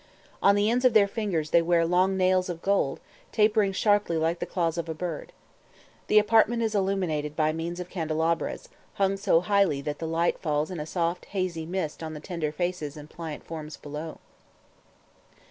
On the ends of their fingers they wear long "nails" of gold, tapering sharply like the claws of a bird. The apartment is illuminated by means of candelabras, hung so high that the light falls in a soft hazy mist on the tender faces and pliant forms below.